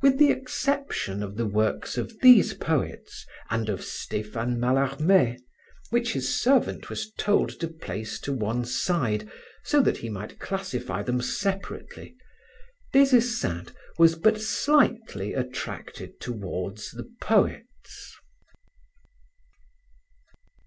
With the exception of the works of these poets and of Stephane Mallarme, which his servant was told to place to one side so that he might classify them separately, Des Esseintes was but slightly attracted towards the poets.